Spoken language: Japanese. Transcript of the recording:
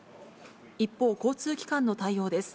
一方、交通機関の対応です。